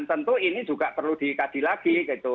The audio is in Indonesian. tentu ini juga perlu dikaji lagi gitu